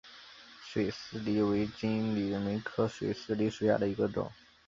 水丝梨为金缕梅科水丝梨属下的一个种。